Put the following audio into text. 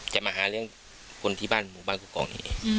จะมาหาเลี้ยงคนที่บ้านหมู่บ้านกุกกองนี้